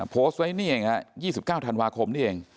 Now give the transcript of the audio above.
โพสต์ไว้นี่เองยี่สิบเก้าธันวาคมนี่เอง